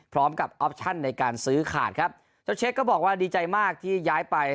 ออปชั่นในการซื้อขาดครับเจ้าเชคก็บอกว่าดีใจมากที่ย้ายไป